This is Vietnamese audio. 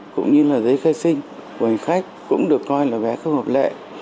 cũng được coi là vé không hợp lệ